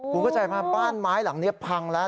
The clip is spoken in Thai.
คุณเข้าใจไหมบ้านไม้หลังนี้พังแล้ว